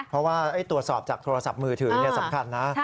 เพราะว่าตรวจสอบจากโทรศัพท์มือถือสำคัญนะ